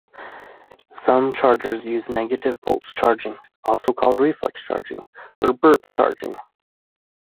Some chargers use "negative pulse charging", also called "reflex charging" or "burp charging".